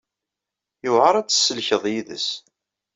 Yewɛeṛ ad tt-tsellkeḍ yid-s.